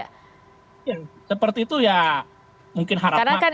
iya seperti itu ya mungkin harap maklum komunikasi konten